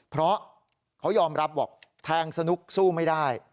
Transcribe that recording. เพราะเขายอมรับบอกแทงสนุกสู้ไม่ได้